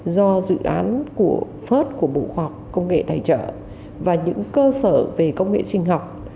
do dự án của phớt của bộ khoa học công nghệ thầy trợ và những cơ sở về công nghệ sinh học